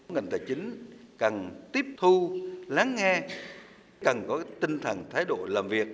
ngành tài chính cần tiếp thu lắng nghe cần có tinh thần thái độ làm việc